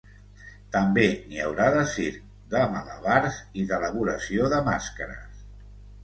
També n’hi haurà de circ, de malabars i d’elaboració de màscares.